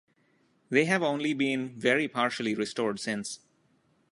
They have only been very partially restored since.